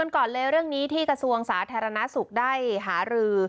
ก่อนเลยเรื่องนี้ที่กระทรวงสาธารณสุขได้หารือ